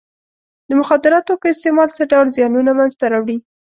د مخدره توکو استعمال څه ډول زیانونه منځ ته راوړي.